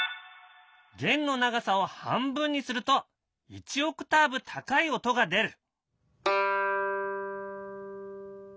弦の長さを半分にすると１オクターブ高い音が出る。